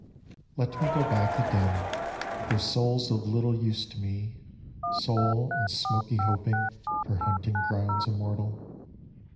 Let me go back again, For soul's of little use to me, Soul and smoky hoping For Hunting Grounds Immortal.